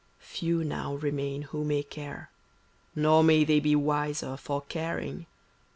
Few now remain who may care, nor may they be wiser for caring.